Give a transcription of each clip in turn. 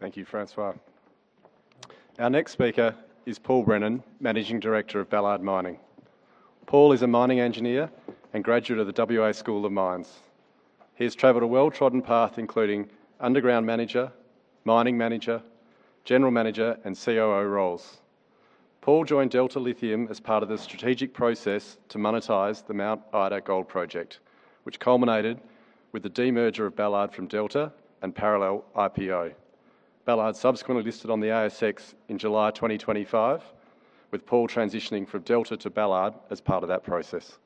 Thank you, Francois. Our next speaker is Paul Brennan, Managing Director of Ballard Mining. Paul is a mining engineer and graduate of the WA School of Mines. He has traveled a well-trodden path, including Underground Manager, Mining Manager, General Manager, and COO roles. Paul joined Delta Lithium as part of the strategic process to monetize the Mt Ida Gold Project, which culminated with the demerger of Ballard from Delta and parallel IPO. Ballard subsequently listed on the ASX in July 2025, with Paul transitioning from Delta to Ballard as part of that process.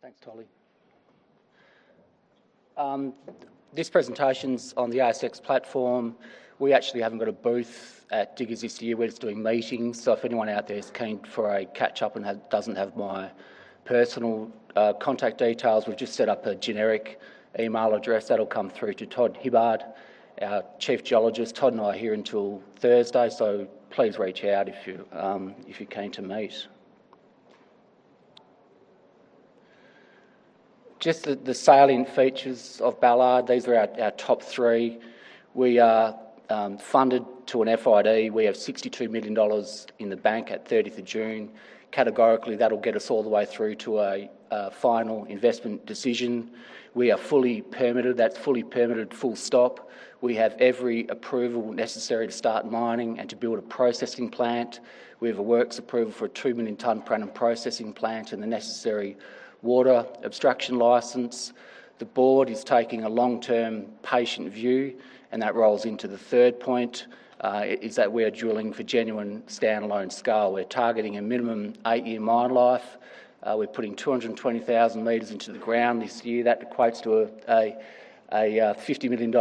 Thanks, Tolly. This presentation's on the ASX platform. We actually haven't got a booth at Diggers this year. We're just doing meetings, so if anyone out there is keen for a catch-up and doesn't have my personal contact details, we've just set up a generic email address that'll come through to Todd Hibberd, our Chief Geologist. Todd and I are here until Thursday, so please reach out if you're keen to meet. Just the selling features of Ballard, these are our top three. We are funded to an FID. We have 62 million dollars in the bank at June 30th. Categorically, that'll get us all the way through to a final investment decision. We are fully permitted. That's fully permitted, full stop. We have every approval necessary to start mining and to build a processing plant. We have a works approval for a 2 million ton per annum processing plant and the necessary water abstraction license. The Board is taking a long-term patient view, and that rolls into the third point, is that we are drilling for genuine standalone scale. We're targeting a minimum eight-year mine life. We're putting 220,000 meters into the ground this year. That equates to an AUD 50 million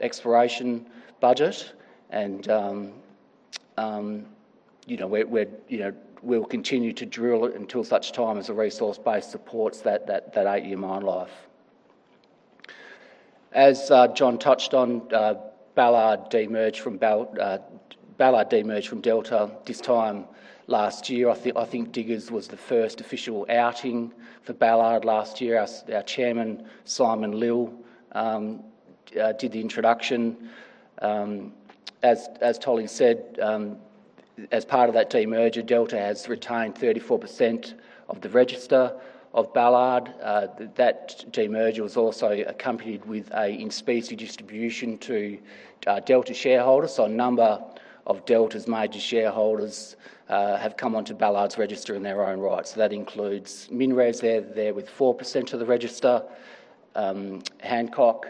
exploration budget. We'll continue to drill until such time as the resource base supports that eight-year mine life. As John touched on, Ballard demerged from Delta this time last year. I think Diggers was the first official outing for Ballard last year. Our Chairman, Simon Lill, did the introduction. As Tolly said, as part of that demerger, Delta has retained 34% of the register of Ballard. That demerger was also accompanied with an in specie distribution to Delta shareholders. A number of Delta's major shareholders have come onto Ballard's register in their own right. That includes MinRes, they're there with 4% of the register. Hancock,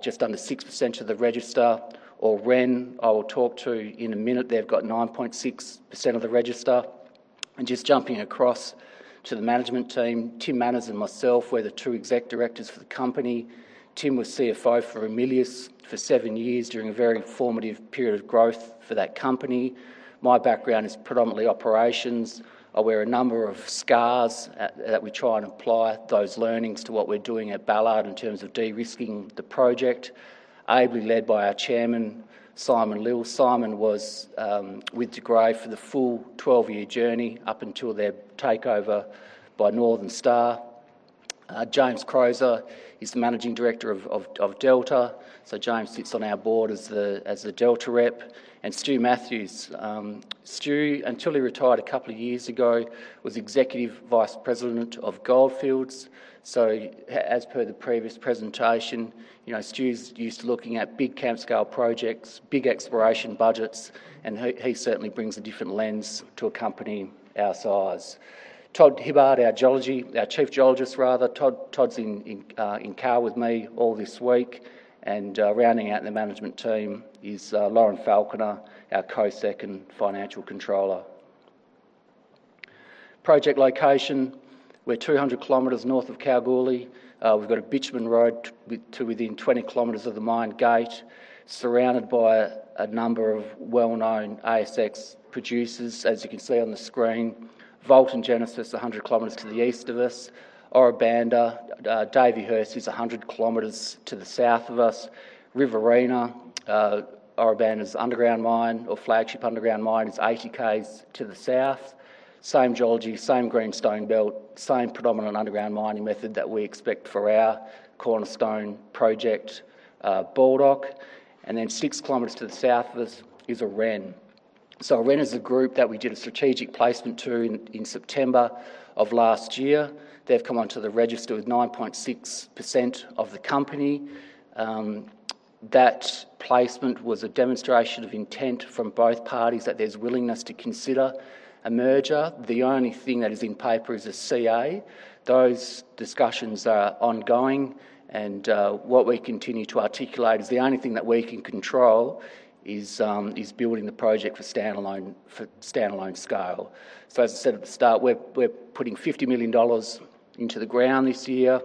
just under 6% of the register. Aurenne, I will talk to in a minute, they've got 9.6% of the register. Just jumping across to the management team, Tim Manners and myself, we're the two exec directors for the company. Tim was CFO for Ramelius for seven years during a very formative period of growth for that company. My background is predominantly operations. I wear a number of scars. We try and apply those learnings to what we're doing at Ballard in terms of de-risking the project, ably led by our Chairman, Simon Lill. Simon was with De Grey for the full 12-year journey up until their takeover by Northern Star. James Croser is the Managing Director of Delta, James sits on our Board as a Delta rep. Stu Mathews. Stu, until he retired a couple of years ago, was Executive Vice President of Gold Fields. As per the previous presentation, Stu's used to looking at big camp-scale projects, big exploration budgets, and he certainly brings a different lens to a company our size. Todd Hibberd, our chief geologist, rather. Todd's in car with me all this week. Rounding out the management team is Loren Falconer, our Co-Sec and Financial Controller. Project location. We're 200 km north of Kalgoorlie. We've got a bitumen road to within 20 km of the mine gate, surrounded by a number of well-known ASX producers, as you can see on the screen. Vault and Genesis 100 km to the east of us. Ora Banda, Davyhurst, who's 100 km to the south of us. Riverina, Ora Banda's underground mine or flagship underground mine, is 80 km to the south. Same geology, same greenstone belt, same predominant underground mining method that we expect for our cornerstone project, Baldock. 6 km to the south of us is Aurenne. Aurenne is a group that we did a strategic placement to in September of last year. They've come onto the register with 9.6% of the company. That placement was a demonstration of intent from both parties that there's willingness to consider a merger. The only thing that is in paper is a CA. Those discussions are ongoing, and what we continue to articulate is the only thing that we can control is building the project for standalone scale. As I said at the start, we're putting 50 million dollars into the ground this year.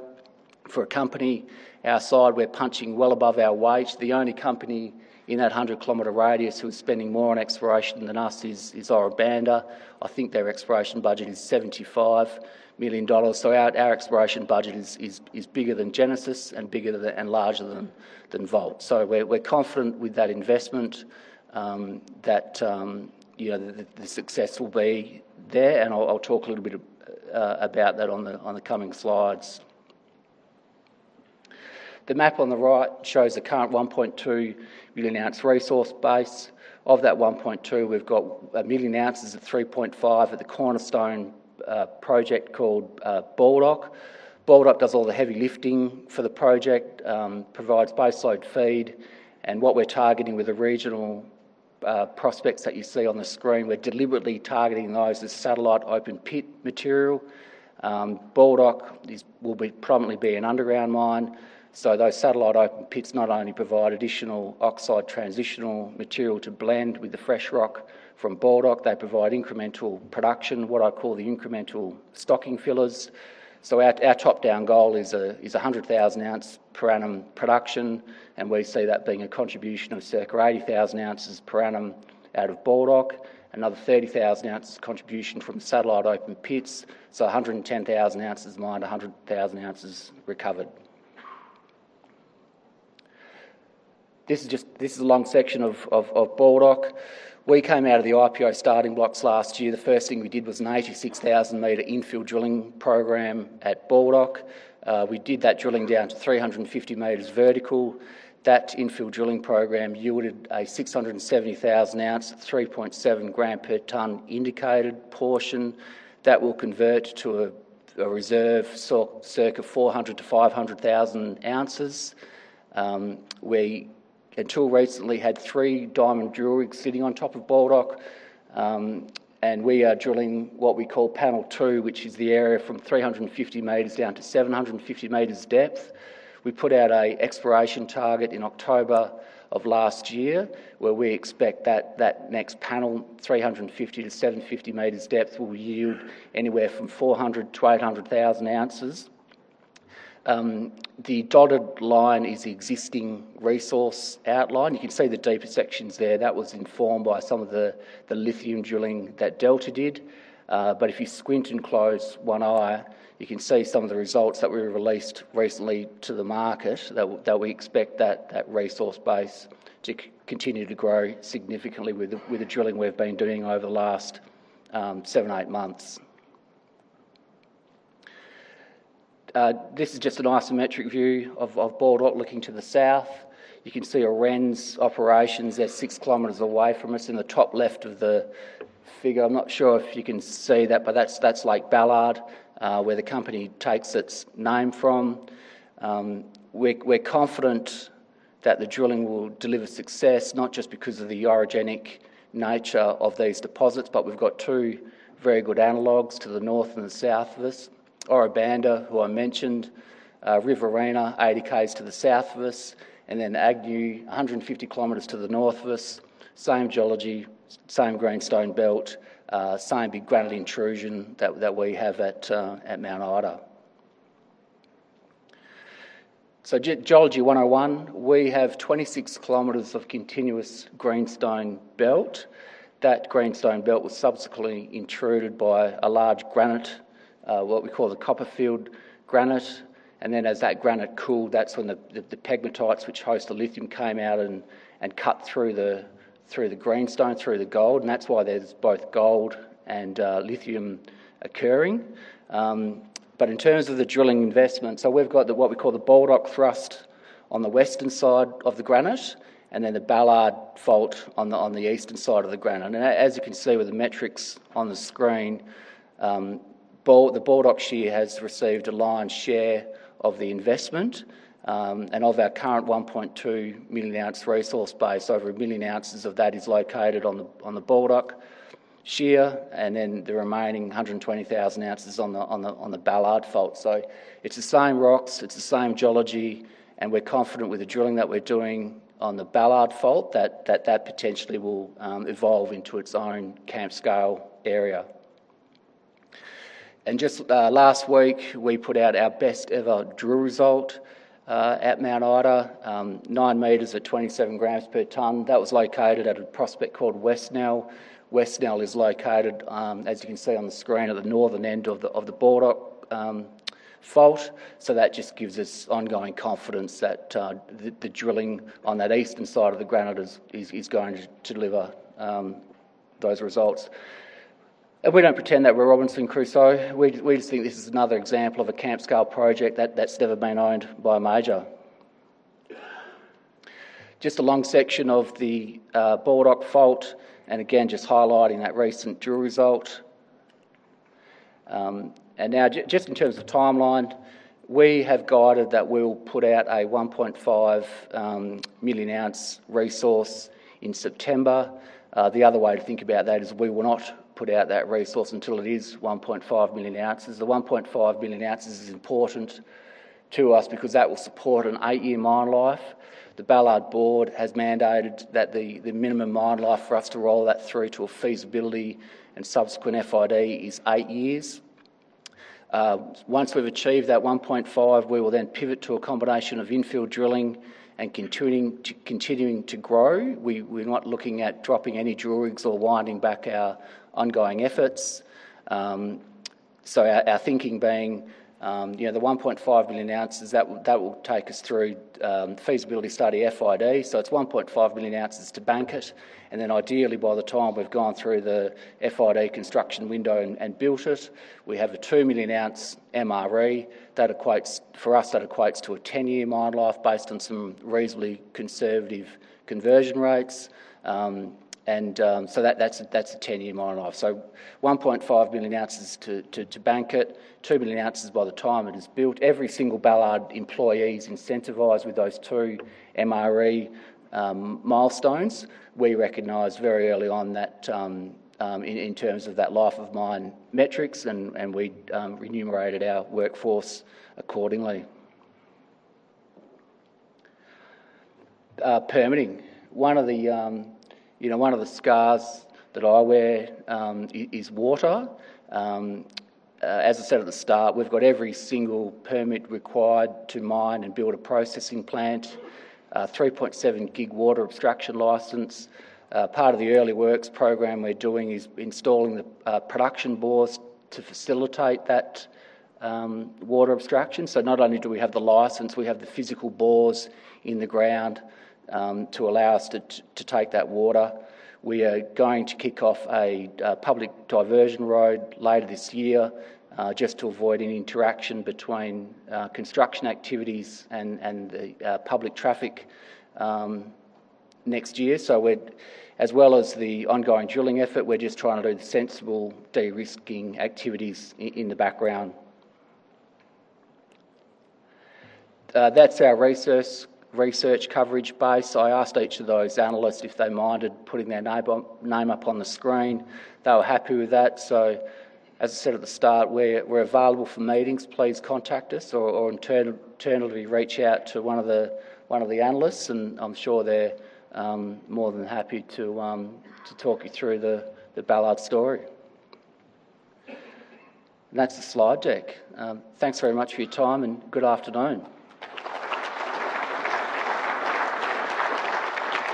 For a company our size, we're punching well above our weight. The only company in that 100-km radius who's spending more on exploration than us is Ora Banda. I think their exploration budget is 75 million dollars. Our exploration budget is bigger than Genesis and larger than Vault. We're confident with that investment that the success will be there, and I'll talk a little bit about that on the coming slides. The map on the right shows the current 1.2 million ounce resource base. Of that 1.2, we've got 1 million ounces of 3.5 at the cornerstone project called Baldock. Baldock does all the heavy lifting for the project, provides baseload feed. What we're targeting with the regional prospects that you see on the screen, we're deliberately targeting those as satellite open pit material. Baldock will prominently be an underground mine. Those satellite open pits not only provide additional oxide transitional material to blend with the fresh rock from Baldock, they provide incremental production, what I call the incremental stocking fillers. Our top-down goal is 100,000 ounce per annum production, and we see that being a contribution of circa 80,000 ounces per annum out of Baldock. Another 30,000 ounces contribution from satellite open pits. 110,000 ounces mined, 100,000 ounces recovered. This is a long section of Baldock. We came out of the IPO starting blocks last year. The first thing we did was an 86,000-meter infill drilling program at Baldock. We did that drilling down to 350 meters vertical. That infill drilling program yielded a 670,000 ounce at 3.7 gram per tonne indicated portion. That will convert to a reserve circa 400,000 ounces-500,000 ounces. We, until recently, had three diamond drill rigs sitting on top of Baldock, and we are drilling what we call Panel 2, which is the area from 350 meters down to 750 meters depth. We put out an exploration target in October of last year, where we expect that that next panel, 350 meters-750 meters depth, will yield anywhere from 400,000 to 800,000 ounces. The dotted line is the existing resource outline. You can see the deeper sections there. That was informed by some of the lithium drilling that Delta did. If you squint and close one eye, you can see some of the results that we released recently to the market, that we expect that resource base to continue to grow significantly with the drilling we've been doing over the last seven, eight months. This is just an isometric view of Baldock looking to the south. You can see Ora Banda's operations. They're 6 km away from us in the top left of the figure. I'm not sure if you can see that, but that's Lake Ballard, where the company takes its name from. We're confident that the drilling will deliver success, not just because of the orogenic nature of these deposits, but we've got two very good analogues to the north and the south of us. Ora Banda, who I mentioned. Riverina, 80 km to the south of us, and then Agnew, 150 km to the north of us. Same geology, same greenstone belt, same big granite intrusion that we have at Mt Ida. Geology 101. We have 26 km of continuous greenstone belt. That greenstone belt was subsequently intruded by a large granite, what we call the Copperfield Granite. As that granite cooled, that's when the pegmatites, which host the lithium, came out and cut through the greenstone, through the gold. That's why there's both gold and lithium occurring. In terms of the drilling investment, we've got what we call the Baldock Thrust on the western side of the granite, and then the Ballard Fault on the eastern side of the granite. As you can see with the metrics on the screen, the Baldock Shear has received a lion's share of the investment. Of our current 1.2 million ounce resource base, over 1 million ounces of that is located on the Baldock Shear, and then the remaining 120,000 ounces on the Ballard Fault. It's the same rocks, it's the same geology, and we're confident with the drilling that we're doing on the Ballard Fault, that that potentially will evolve into its own camp-scale area. Just last week, we put out our best ever drill result at Mt Ida. 9 meters at 27 grams per tonne. That was located at a prospect called West Knell. West Knell is located, as you can see on the screen, at the northern end of the Baldock Fault. That just gives us ongoing confidence that the drilling on that eastern side of the granite is going to deliver those results. We don't pretend that we're Robinson Crusoe. We just think this is another example of a camp-scale project that's never been owned by a major. Just a long section of the Baldock Fault, and again, just highlighting that recent drill result. In terms of timeline, we have guided that we'll put out a 1.5 million ounce resource in September. The other way to think about that is we will not put out that resource until it is 1.5 million ounces. The 1.5 million ounces is important to us because that will support an eight-year mine life. The Ballard Board has mandated that the minimum mine life for us to roll that through to a feasibility and subsequent FID is eight years. Once we've achieved that 1.5, we will then pivot to a combination of infill drilling and continuing to grow. We're not looking at dropping any drill rigs or winding back our ongoing efforts. Our thinking being, the 1.5 million ounces, that will take us through feasibility study FID. It's 1.5 million ounces to bank it, then ideally by the time we've gone through the FID construction window and built it, we have a 2 million ounce MRE. For us, that equates to a 10-year mine life based on some reasonably conservative conversion rates. That's a 10-year mine life. 1.5 million ounces to bank it, 2 million ounces by the time it is built. Every single Ballard employee is incentivized with those two MRE milestones. We recognized very early on that in terms of that life of mine metrics, and we remunerated our workforce accordingly. Permitting. One of the scars that I wear is water. As I said at the start, we've got every single permit required to mine and build a processing plant. 3.7 gig water abstraction license. Part of the early works program we're doing is installing the production bores to facilitate that water abstraction. Not only do we have the license, we have the physical bores in the ground to allow us to take that water. We are going to kick off a public diversion road later this year, just to avoid any interaction between construction activities and public traffic next year. As well as the ongoing drilling effort, we're just trying to do the sensible de-risking activities in the background. That's our research coverage base. I asked each of those analysts if they minded putting their name up on the screen. They were happy with that. As I said at the start, we're available for meetings. Please contact us or alternatively reach out to one of the analysts, and I'm sure they're more than happy to talk you through the Ballard story. That's the slide deck. Thanks very much for your time, and good afternoon.